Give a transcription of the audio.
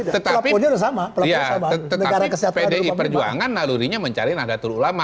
tetapi pdi perjuangan lalu dia mencari nada turu ulama